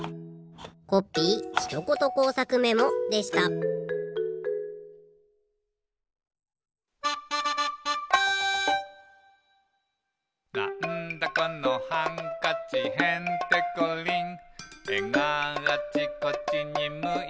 コッピーひとこと工作メモでした「なんだこのハンカチへんてこりん」「えがあちこちにむいている」